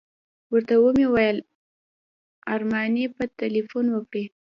ورته ومې ویل ارماني به تیلفون وکړي.